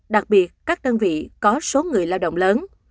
đặc biệt các đơn vị có số người lao động lớn